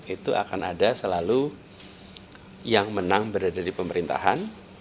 itu akan ada selalu yang menang berada di pemerintahan